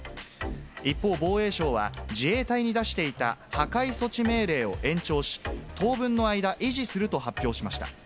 一方、防衛省は自衛隊に出していた破壊措置命令を延長し、当分の間、維持すると発表しました。